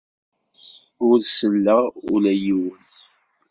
Ur selleɣ ula i yiwen.